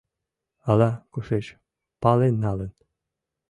Ала-кушеч пален налын.